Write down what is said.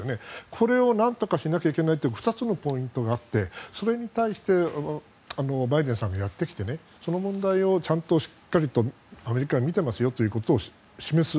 これを何とかしなきゃいけないという２つのポイントがあってそれに対してバイデンさんがやってきてその問題を、ちゃんとしっかりアメリカは見てますよということを示す。